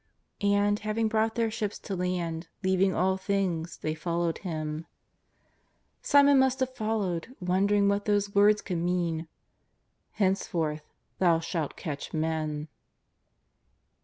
'' And, having brought their ships to land, leaving all things they followed Him. Simon must have followed, wondering what those words could mean :" Henceforth thou shalt catch men."